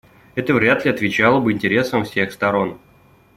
Это вряд ли отвечало бы интересам всех сторон.